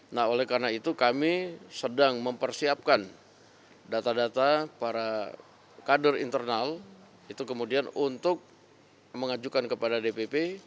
nah oleh karena itu kami sedang mempersiapkan data data para kader internal itu kemudian untuk mengajukan kepada dpp